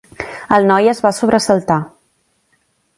El noi es va sobresaltar.